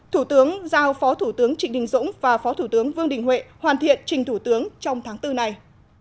thủ tướng giao phó thủ tướng trịnh đình dũng và phó thủ tướng vương đình huệ hoàn thiện trình thủ tướng trong tháng bốn này